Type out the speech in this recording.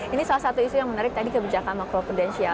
ini salah satu isu yang menarik tadi kebijakan makro prudensial